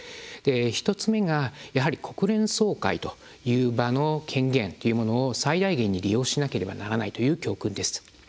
１つ目が国連総会という場の権限というものを最大限に利用しなければならないという教訓です。